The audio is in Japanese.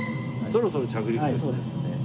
そろそろ着陸ですね。